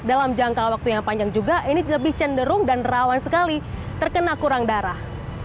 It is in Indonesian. dalam jangka waktu yang panjang juga ini lebih cenderung dan rawan sekali terkena kurang darah